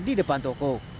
di depan toko